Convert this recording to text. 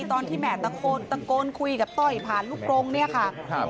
ตอนที่แม่ตะโกนตะโกนคุยกับต้อยผ่านลูกกรงเนี่ยค่ะ